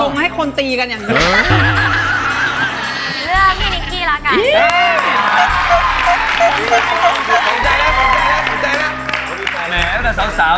มีแล้ว